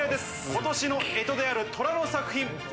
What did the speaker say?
今年の干支である寅の作品。